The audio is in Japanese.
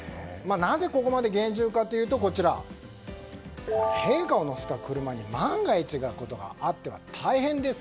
なぜここまで厳重かというと陛下を乗せた車に万が一のことがあっては大変です。